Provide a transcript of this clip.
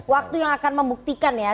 waktu yang akan membuktikan ya